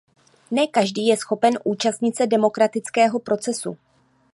Ne každý je schopen účastnit se demokratického procesu.